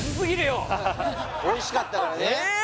おいしかったからねえっ？